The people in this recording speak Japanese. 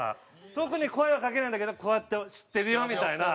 特に声はかけないんだけどこうやって知ってるよみたいな。